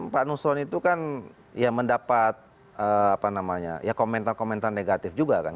pak nusron itu kan ya mendapat komentar komentar negatif juga kan